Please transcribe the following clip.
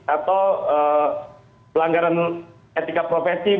atau pelanggaran etika profesi